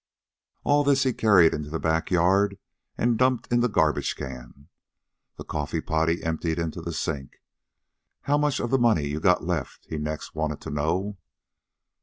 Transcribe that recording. All this he carried into the back yard and dumped in the garbage can. The coffee pot he emptied into the sink. "How much of the money you got left?" he next wanted to know.